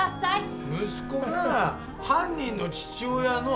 息子がさ犯人の父親の。